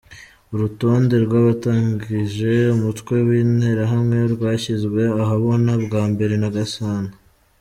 Urutonde rw’abatangije umutwe w’Interahamwe rwashyizwe ahabona bwa mbere na Gasana.